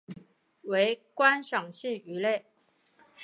为观赏性鱼类。